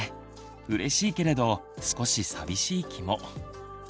うれしいけれど少し寂しい気も。